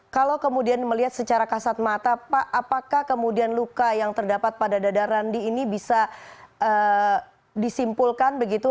kalau kemudian melihat secara kasat mata pak apakah kemudian luka yang terdapat pada dada randi ini bisa disimpulkan begitu